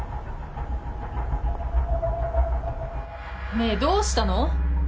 ねえどうしたの！？